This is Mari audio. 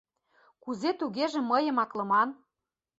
Кузе тугеже мыйым аклыман?